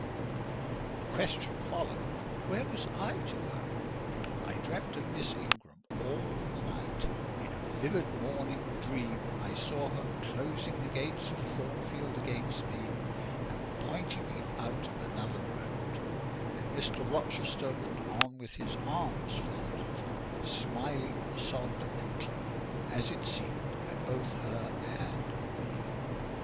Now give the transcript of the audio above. The question followed, "Where was I to go?" I dreamt of Miss Ingram all the night: in a vivid morning dream I saw her closing the gates of Thornfield against me and pointing me out another road; and Mr. Rochester looked on with his arms folded—smiling sardonically, as it seemed, at both her and me.